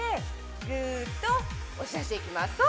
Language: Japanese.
ぐっと押し出していきます。